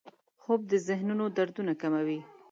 خوب د ذهنو دردونه کموي